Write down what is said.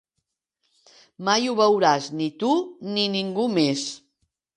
Mai ho veuràs ni tu ni ningú més.